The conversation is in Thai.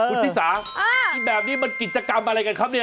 คุณชิสากินแบบนี้มันกิจกรรมอะไรกันครับเนี่ย